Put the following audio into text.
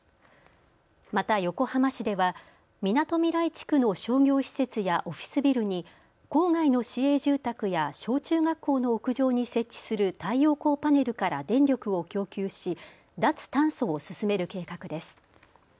また横浜市では、みなとみらい地区の商業施設やオフィスビルに郊外の市営住宅や小中学校の屋上に設置する太陽光パネルから電力を供給し脱炭素を進める計画です。